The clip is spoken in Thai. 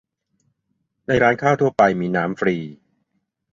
ในร้านข้าวทั่วไปมีน้ำฟรี